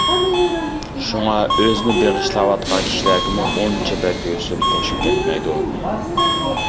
شۇڭا ئۆزىنى بېغىشلاۋاتقان كىشىلەرگىمۇ ئۇنچە بەك ھۆسن قوشۇپ كەتمەيدۇ.